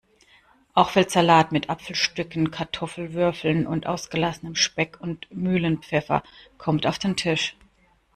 Auch Feldsalat mit Apfelstücken, Kartoffelwürfeln und ausgelassenem Speck und Mühlenpfeffer kommt auf den Tisch.